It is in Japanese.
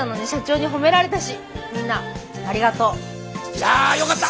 いやよかった。